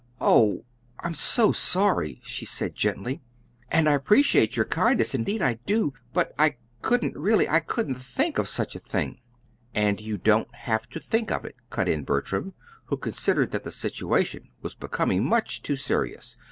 "Oh, I'm so sorry," she said gently. "And I appreciate your kindness, indeed I do; but I couldn't really I couldn't think of such a thing!" "And you don't have to think of it," cut in Bertram, who considered that the situation was becoming much too serious.